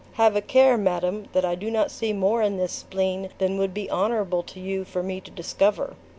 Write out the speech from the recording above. Have a care, madam, that I do not see more in this spleen than would be honorable to you for me to discover."